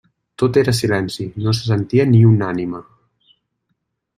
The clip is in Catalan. Tot era silenci, no se sentia ni una ànima.